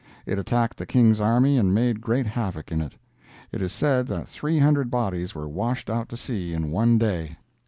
It attacked the king's army and made great havoc in it. It is said that three hundred bodies were washed out to sea in one day.